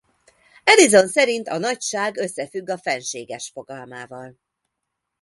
Addison szerint a nagyság összefügg a fenséges fogalmával.